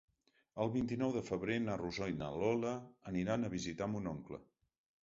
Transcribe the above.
El vint-i-nou de febrer na Rosó i na Lola aniran a visitar mon oncle.